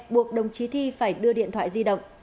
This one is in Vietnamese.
buộc đồng chí thi phải đưa điện thoại di động